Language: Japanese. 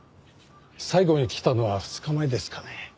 最後に来たのは２日前ですかね。